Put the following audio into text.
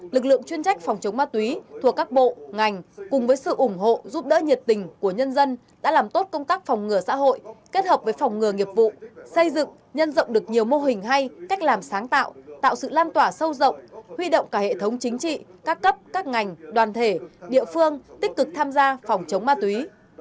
lực lượng chuyên trách phòng chống ma túy thuộc các bộ ngành cùng với sự ủng hộ giúp đỡ nhiệt tình của nhân dân đã làm tốt công tác phòng ngừa xã hội kết hợp với phòng ngừa nghiệp vụ xây dựng nhân rộng được nhiều mô hình hay cách làm sáng tạo tạo sự lan tỏa sâu rộng huy động cả hệ thống chính trị các cấp các ngành đoàn thể địa phương tích cực tham gia phòng chống ma túy